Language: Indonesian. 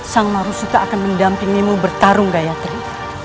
sang marusuta akan mendampingimu bertarung gayatri